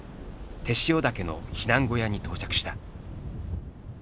天塩岳の避難小屋に到着した。